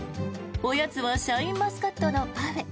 おやつはシャインマスカットのパフェ。